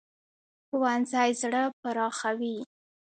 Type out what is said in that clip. ښوونځی زړه پراخوي